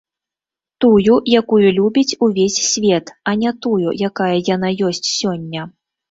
Тую, якую любіць увесь свет, а не тую, якая яна ёсць сёння.